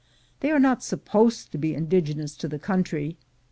They are not supposed to be indigenous to the countr}'.